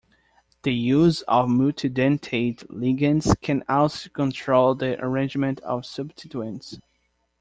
The use of multidentate ligands can also control the arrangement of substituents.